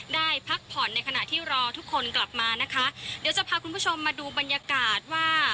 ได้พักผ่อนในขณะที่รอทุกคนกลับมานะคะเดี๋ยวจะพาคุณผู้ชมมาดูบรรยากาศว่า